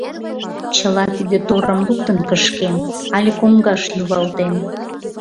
Чыла тиде торым луктын кышкем але коҥгаш йӱлалтем.